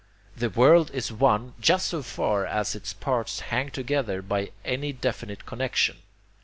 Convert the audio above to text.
The world is one just so far as its parts hang together by any definite connexion.